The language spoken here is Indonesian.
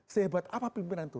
sehebat apa pimpinan itu